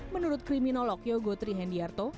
menurut kriminolog yogo trihendiarto